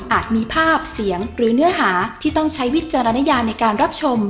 มีภาพเสียงหรือเนื้อหาที่ต้องใช้วิจารณญาในการรับชม